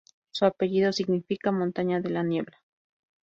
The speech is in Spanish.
Su apellido significa "montaña de la niebla".